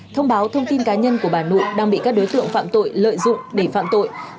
thông báo thông tin cá nhân của bà nội đang bị các đối tượng phạm tội lợi dụng để phạm tội